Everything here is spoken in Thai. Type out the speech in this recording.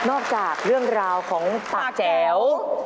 จากเรื่องราวของปากแจ๋ว